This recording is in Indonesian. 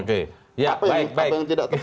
apa yang tidak tepat